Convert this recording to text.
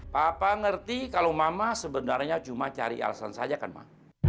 papa ngerti kalau mama sebenarnya cuma cari alasan saja kan mah